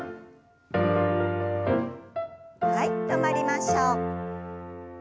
はい止まりましょう。